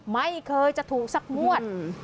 ไม่เคยจะถูกสักงวด